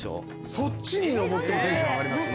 そっちに上ってもテンション上がりますね。